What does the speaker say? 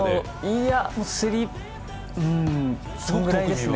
いや、うん、そのぐらいですね。